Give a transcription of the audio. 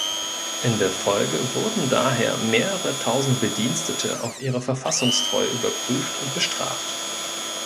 In der Folge wurden daher mehrere tausend Bedienstete auf ihre Verfassungstreue überprüft und bestraft.